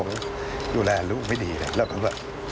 อ้าว